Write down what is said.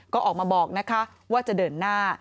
ก็ออกมาบอกนะคะว่าจะเดินหน้า